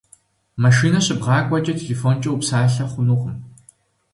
Машинэ щыбгъакӏуэкӏэ телефонкӏэ упсалъэ хъунукъым.